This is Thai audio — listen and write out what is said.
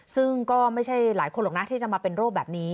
ซึ่งก็ไม่ใช่หลายคนหรอกนะที่จะมาเป็นโรคแบบนี้